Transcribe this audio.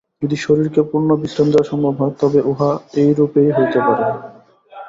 যদি শরীরকে পূর্ণ বিশ্রাম দেওয়া সম্ভব হয়, তবে উহা এইরূপেই হইতে পারে।